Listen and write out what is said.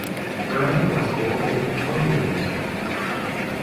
Bray was born in Croydon.